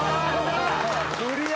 クリア。